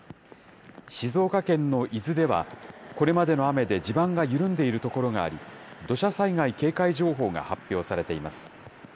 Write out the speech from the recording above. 静岡県の伊豆では、これまでの雨で地盤が緩んでいる所があり、土砂災害警戒情報が発表されています。